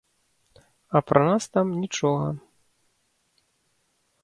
А пра нас там нічога.